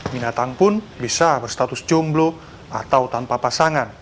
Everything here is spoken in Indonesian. binatang pun bisa berstatus jomblo atau tanpa pasangan